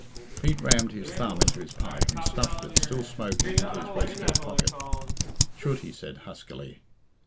Pete rammed his thumb into his pipe, and stuffed it, still smoking, into his waistcoat pocket. "Chut!" he said huskily.